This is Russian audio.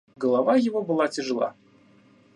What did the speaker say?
Голова его была тяжела.